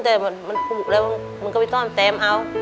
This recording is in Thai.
แต่มันถูกแล้วมันก็ไปต้อนเต็มเอา